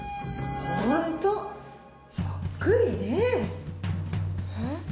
ホントそっくりね。